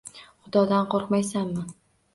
Hudodan qo'rqmaysanmi?